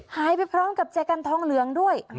หายไปพร้อมกับแจกันทองเหลืองด้วย